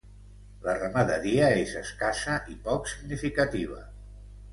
La ramaderia és escassa i poc significativa.